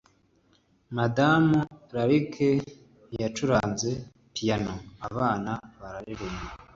madamu lark yacuranze piyano abana baririmba.